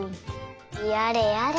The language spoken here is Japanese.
やれやれ。